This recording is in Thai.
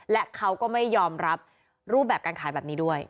และเขาก็ไม่ยอมรับรูปแบบการขายแบบนี้ด้วย